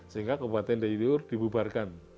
sehingga kabupaten dayi luhur dibubarkan